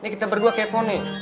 ini kita berdua kepo nih